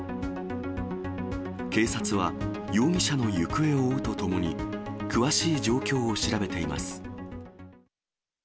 警察は容疑者の行方を追うとともに、詳しい状況を調べています。